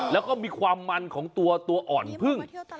แล้วก็มีความมันของตัวอ่อนพึ่ง